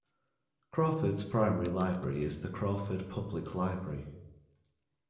Crawford's primary library is the Crawford Public Library.